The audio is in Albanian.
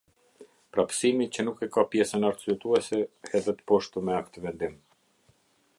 Prapësimi që nuk e ka pjesën arsyetuese hedhet poshtë me aktvendim.